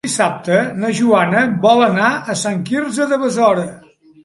Dissabte na Joana vol anar a Sant Quirze de Besora.